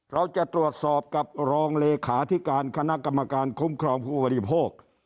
เราจะตรวจสอบกับรองเลขาธิการคณะกรรมการคุ้มครองผู้บริโภค